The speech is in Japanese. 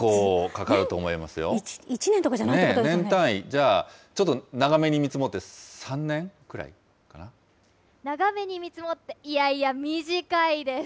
１年とかじゃないっていうこ年単位、じゃあちょっと長め長めに見積もって、いやいや、短いです。